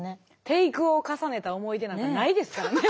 テイクを重ねた思い出なんかないですからね。